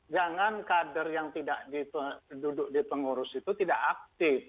jangan kader yang tidak duduk di pengurus itu tidak aktif